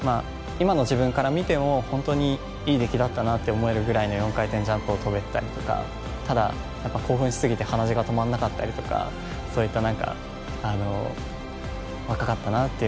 今の自分から見ても本当にいい出来だったなと思えるぐらいの４回転ジャンプを跳べてたりとかただやっぱ興奮し過ぎて鼻血が止まんなかったりとかそういった何か若かったなって思い出もちょっとありますね。